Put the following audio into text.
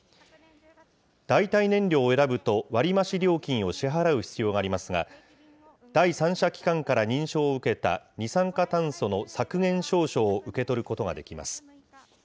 代替燃料を選ぶと割増料金を支払う必要がありますが、第三者機関から認証を受けた二酸化炭素の削減証書を受け取ることができます。